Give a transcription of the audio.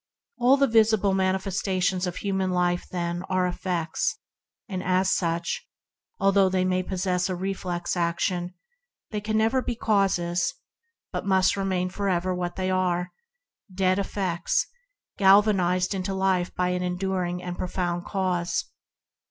All visible manifestations of human life, then, are effects; and as such, although* they may possess a reflex action, they can never be causes, but must remain for ever what they are — dead effects, electrified into life by an enduring and profound cause.